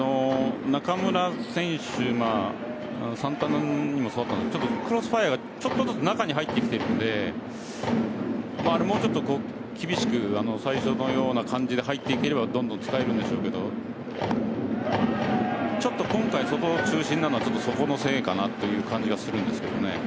サンタナにもそうだったんですがクロスファイヤーがちょっとずつ中に入ってきてるのであれ、もうちょっと厳しく最初のような感じで入っていければ使えるんでしょうけどちょっと今回、外中心なのはそこのせいかなという感じがするんですけどね。